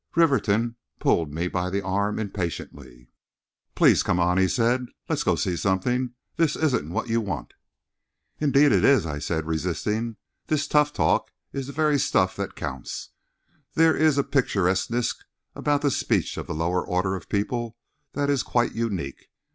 Rivington pulled me by the arm impatiently. "Please come on," he said. "Let's go see something. This isn't what you want." "Indeed, it is," I said resisting. "This tough talk is the very stuff that counts. There is a picturesqueness about the speech of the lower order of people that is quite unique.